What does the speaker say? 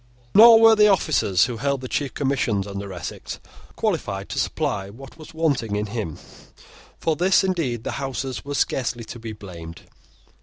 Nor were the officers who held the chief commissions under Essex qualified to supply what was wanting in him. For this, indeed, the Houses are scarcely to be blamed.